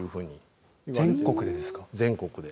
全国で。